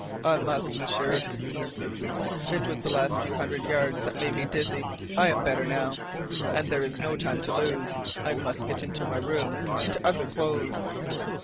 "I must, M'sieur," he insisted. "It was the last few hundred yards that made me dizzy. I am better now. And there is no time to lose. I must get into my room into other clothes!"